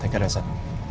terima kasih pak